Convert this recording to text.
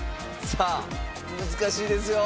さあ難しいですよ。